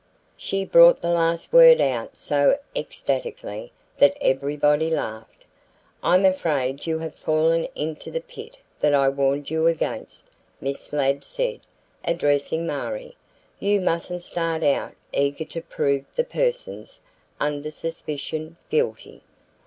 She brought the last word out so ecstatically that everybody laughed. "I'm afraid you have fallen into the pit that I warned you against," Miss Ladd said, addressing Marie. "You mustn't start out eager to prove the persons, under suspicion, guilty."